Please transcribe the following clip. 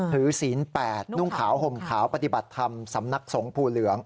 ศีล๘นุ่งขาวห่มขาวปฏิบัติธรรมสำนักสงภูเหลือง